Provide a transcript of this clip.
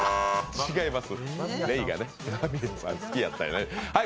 違います。